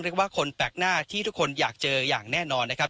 เรียกว่าคนแปลกหน้าที่ทุกคนอยากเจออย่างแน่นอนนะครับ